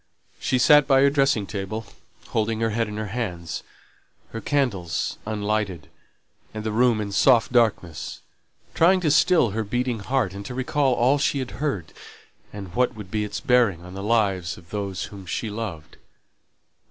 She sate by her dressing table, holding her head in her hands, her candles unlighted, and the room in soft darkness, trying to still her beating heart, and to recall all she had heard, and what would be its bearing on the lives of those whom she loved.